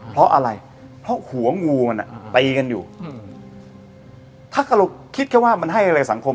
เพราะอะไรเพราะหัวงูมันอ่ะตีกันอยู่อืมถ้าเราคิดแค่ว่ามันให้อะไรสังคม